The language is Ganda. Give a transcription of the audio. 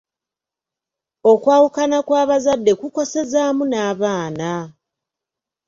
Okwawukana kw'abazadde kukosezaamu n'abaana.